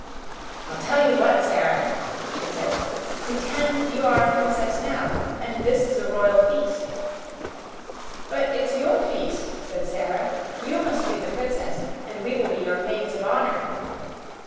"I'll tell you what, Sara," she said. "Pretend you are a princess now and this is a royal feast." "But it's your feast," said Sara; "you must be the princess, and we will be your maids of honor."